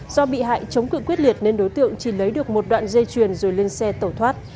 do bị hại chống cự quyết liệt nên đối tượng chỉ lấy được một đoạn dây chuyền rồi lên xe tẩu thoát